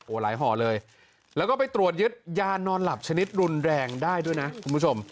หลายห่อเลยแล้วก็ไปตรวจยึดยานอนหลับชนิดรุนแรงได้ด้วยนะคุณผู้ชม